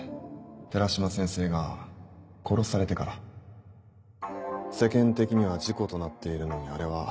寺島先生が殺されてから世間的には事故となっているのにあれは。